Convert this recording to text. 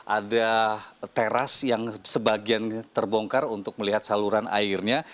ada teras yang sebagian terbongkar untuk melihat saluran airnya